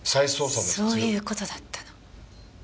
そういう事だったの。